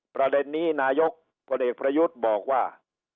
ประเด็นนี้นายกพลเอกประยุทธ์บอกว่า